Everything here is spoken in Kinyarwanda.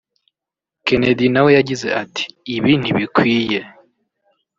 Kennedy nawe yagize ati “Ibi ntibikwiye